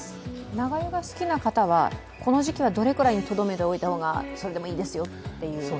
長湯が好きな方は、この時期はどれくらいにとどめておいた方が、それでもいいですよという？